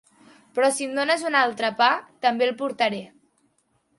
Però si em dones un altre pa també el portaré.